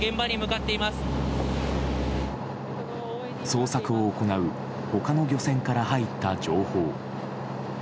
捜索を行う他の漁船から入った情報。